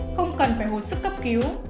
không cần phải hồi sức cấp cứu